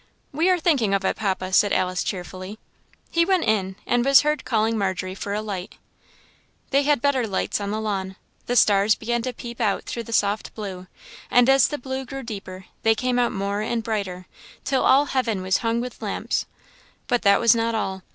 "We are thinking of it, Papa," said Alice, cheerfully. He went in, and was heard calling Margery for a liglit. They had better lights on the lawn. The stars began to peep out through the soft blue, and as the blue grew deeper, they came out more and brighter, till all heaven was hung with lamps. But that was not all.